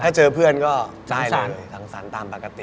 ถ้าเจอเพื่อนก็ได้เลยทางสรรค์ตามปกติ